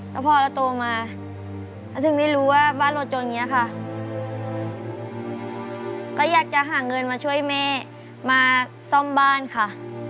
แล้วพอเราโตมาเราถึงได้รู้ว่าบ้านเราจนอย่างนี้ค่ะก็อยากจะหาเงินมาช่วยแม่มาซ่อมบ้านค่ะ